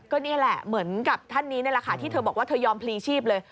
ก็นี่แหละเหมือนกับท่านนี้นี่แหละค่ะที่เธอบอกว่าเธอยอมพลีชีพเลย